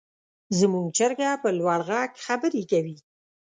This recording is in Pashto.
زموږ چرګه په لوړ غږ خبرې کوي.